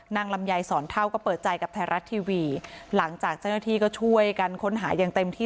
ลำไยสอนเท่าก็เปิดใจกับไทยรัฐทีวีหลังจากเจ้าหน้าที่ก็ช่วยกันค้นหาอย่างเต็มที่